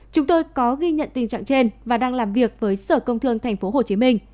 chúng tôi có ghi nhận tình trạng trên và đang làm việc với sở công thương tp hcm